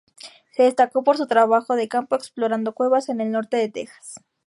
Se destacó por su trabajo de campo explorando cuevas en el norte de Texas.